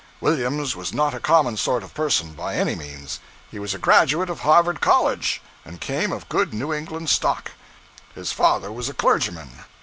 Williams was not a common sort of person, by any means; he was a graduate of Harvard College, and came of good New England stock. His father was a clergyman.